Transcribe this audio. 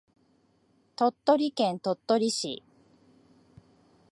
鳥取県鳥取市